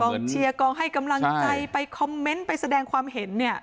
เชียร์กองให้กำลังใจไปคอมเมนต์ไปแสดงความเห็นเนี่ย